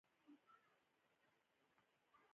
عسکر باید بیدار وي